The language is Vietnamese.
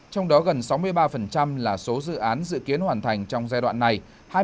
trong đó gần sáu mươi ba là số dự án dự kiến hoàn thành trong giai đoạn này